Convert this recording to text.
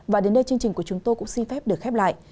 và đến đây chương trình của chúng tôi cũng xin phép được khép lại